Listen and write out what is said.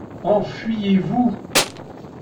Enfuyez-vous.